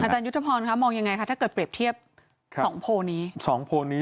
อาจารย์ยุธพรมองยังไงคะถ้าเกิดเปรียบเทียบสองโพลนี้